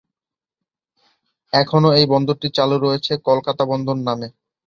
এখনও এই বন্দরটি চালু রয়েছে কলকাতা বন্দর নামে।